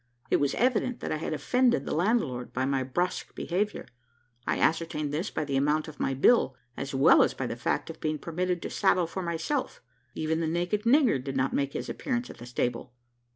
It was evident that I had offended the landlord by my brusque behaviour. I ascertained this by the amount of my bill, as well as by the fact of being permitted to saddle for myself. Even the naked "nigger," did not make his appearance at the stable.